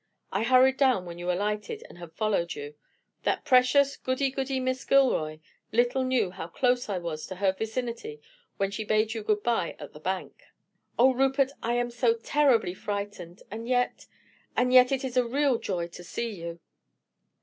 I hurried down when you alighted, and have followed you. That precious, goody goody Miss Gilroy little knew how close I was to her vicinity when she bade you good by at the Bank." "Oh, Rupert, I am so terribly frightened; and yet—and yet it is a real joy to see you."